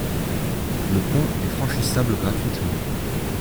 Le pont est franchissable gratuitement.